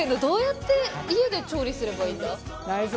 どうやって家で調理すればいいんだ？